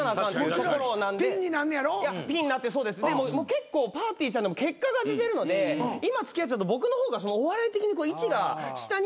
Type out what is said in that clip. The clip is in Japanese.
結構ぱーてぃーちゃん結果が出てるので今付き合っちゃうと僕の方がお笑い的に位置が下になるのが。